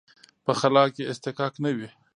په خلا کې اصطکاک نه وي.